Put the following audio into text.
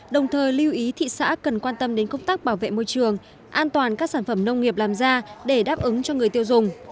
đồng thời lưu ý thị xã cần quan tâm đến công tác bảo vệ môi trường an toàn các sản phẩm nông nghiệp làm ra để đáp ứng cho người tiêu dùng